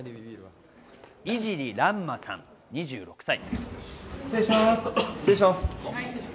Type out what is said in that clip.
井尻翼馬さん、２６歳。